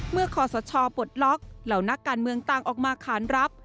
เมื่อคอสชปลดล็อกเหล่านักการเมืองตั้งออกมาค้านรับ